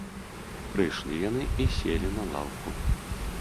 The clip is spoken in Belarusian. Прыйшлі яны і селі на лаўку.